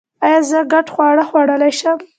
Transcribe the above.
ایا زه ګډ خواړه خوړلی شم؟